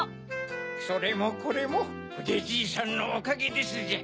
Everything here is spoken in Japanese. それもこれもふでじいさんのおかげですじゃ。